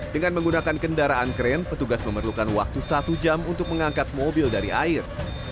dengan menggunakan kendaraan kren petugas memerlukan waktu satu jam untuk mengangkat mobil dari air